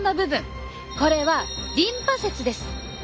これはリンパ節です。